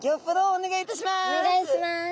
お願いします。